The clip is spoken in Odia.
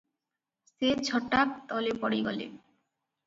ସେ ଝଟାତ୍ ତଳେ ପଡ଼ି ଗଲେ ।